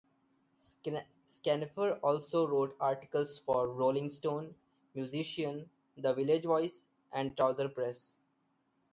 Schaffner also wrote articles for "Rolling Stone", "Musician", "The Village Voice", and "Trouser Press".